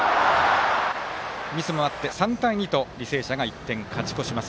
ミスもあって、３対２と履正社が１点勝ち越します。